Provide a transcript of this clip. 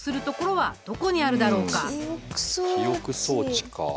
記憶装置か。